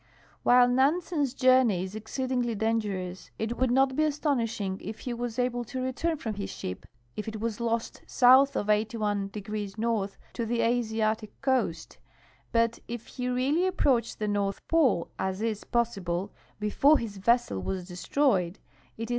\Vhile Nansen's journey is ('.xceedingly dangerous, it would not he astfjuishing if ho was able to return from his ship, if it was lost Sf)uth of 81° north, to the Asiatic coast, hut if he really a])|)roached the North Polo, as is po.ssil)le, before his ve.ssel was destroyed, it is